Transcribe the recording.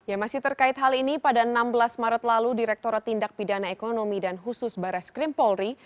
yang masih terkait hal ini pada enam belas maret lalu direkturat tindak pidana ekonomi dan khusus baras krimpolri